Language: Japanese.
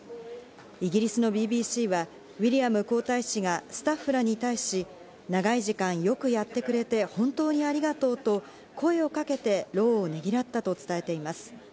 イギリスのＢＢＣはウィリアム皇太子がスタッフらに対し、長い時間よくやってくれて本当にありがとうと声をかけて労をねぎらったと伝えています。